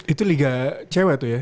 itu liga cewek tuh ya